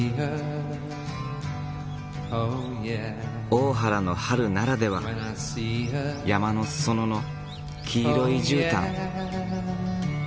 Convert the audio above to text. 大原の春ならではの山の裾野の黄色いじゅうたん。